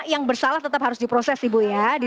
yang bersalah tetap harus diproses ibu ya